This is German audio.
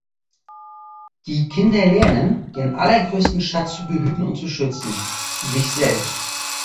Die Kinder lernen, den allergrößten Schatz zu behüten und zu schützen: Sich selbst.